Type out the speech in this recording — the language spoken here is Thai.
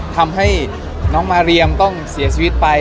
ทำให้น้องมาเรียมต้องเสียชีวิตไป